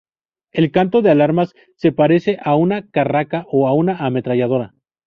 El canto de alarma se parece a una carraca o a una ametralladora.